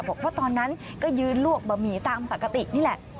บอกว่าตอนนั้นก็ยืนลวกบะหมี่ตามปกตินี่แหละ